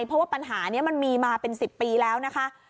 เพราะว่าปัญหานี้มันมีมาเป็น๑๐ปีแล้วนะคะ